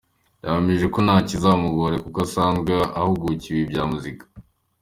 Yahamije ko nta kizamugore kuko asanzwe ahugukiwe ibya muzika.